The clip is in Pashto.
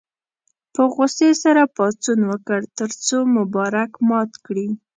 په غوسې سره پاڅون وکړ تر څو مبارک مات کړي.